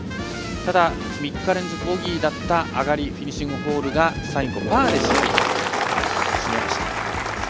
ただ、３日連続ボギーだった上がり、フィニッシングホールが最後、パーで締めました。